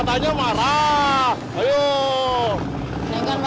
masangkan dengan muda